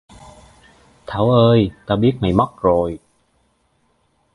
Thảo ơi Tao biết mày mất rồi